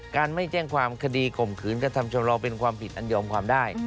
ไม่แจ้งความคดีข่มขืนกระทำชำราวเป็นความผิดอันยอมความได้